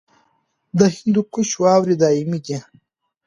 د هندوکش واورې دایمي دي